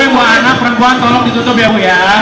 ibu anak perempuan tolong ditutup ya